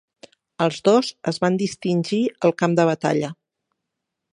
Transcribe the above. Els dos es van distingir al camp de batalla.